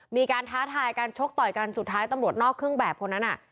ท้าทายกันชกต่อยกันสุดท้ายตำรวจนอกเครื่องแบบคนนั้นน่ะ